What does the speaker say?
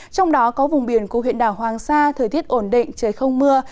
trong đó có vùng biển của huyện đảo hoàng sa thời tiết ổn định trời không mưa